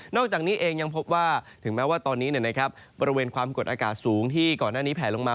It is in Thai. อกจากนี้เองยังพบว่าถึงแม้ว่าตอนนี้บริเวณความกดอากาศสูงที่ก่อนหน้านี้แผลลงมา